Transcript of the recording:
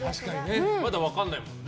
まだ分かんないもんね。